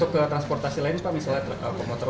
untuk transportasi lain misalnya komputer lain